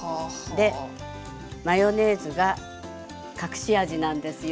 でマヨネーズが隠し味なんですよ。